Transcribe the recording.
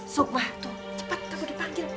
sukma tuh cepet aku dipanggil